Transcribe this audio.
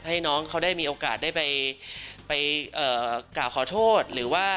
ให้น้องเขาได้มีโอกาสได้ไปกล่าวขอโทษหรือว่า